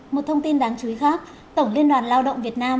một thông tin đáng chú ý khác tổng liên đoàn lao động việt nam